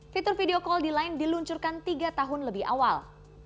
fitur video call di line diluncurkan tiga tahun lebih awal